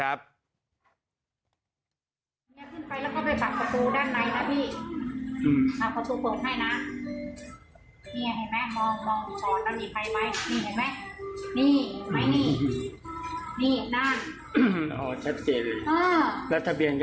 อ่า